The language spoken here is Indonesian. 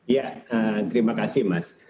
ya terima kasih mas